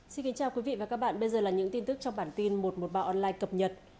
xin kính chào quý vị và các bạn bây giờ là những tin tức trong bản tin một trăm một mươi ba online cập nhật